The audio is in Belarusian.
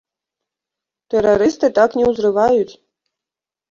Тэрарысты так не узрываюць!